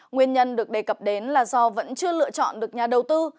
nguyên nhân được đề cập đến là do vẫn chưa lựa chọn được nhà đầu tư